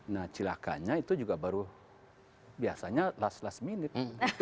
nah celakanya itu juga baru biasanya last last minute